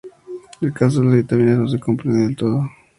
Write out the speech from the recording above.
El caso de las vitaminas no se comprende del todo.